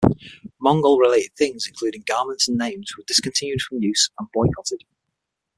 Mongol-related things, including garments and names, were discontinued from use and boycotted.